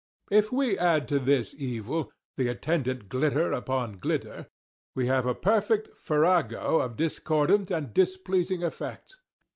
If we add to this evil, the attendant glitter upon glitter, we have a perfect farrago of discordant and displeasing effects.